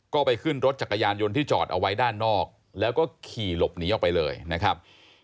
ก็ไปขึ้นรถจักรยานยนต์ที่จอดเอาไว้ด้านนอกแล้วก็ขี่หลบหนีออกไปเลยนะครับ